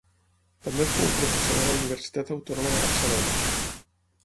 També fou professor de la Universitat Autònoma de Barcelona.